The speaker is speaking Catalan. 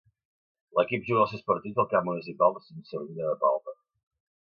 L'equip juga els seus partits al Camp Municipal de Son Sardina de Palma.